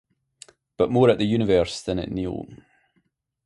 But more at the universe than at Neil.